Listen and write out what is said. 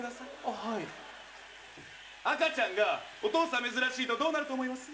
あっはい赤ちゃんがお父さん珍しいとどうなると思います？